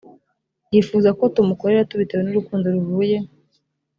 yifuza ko tumukorera tubitewe n urukundo ruvuye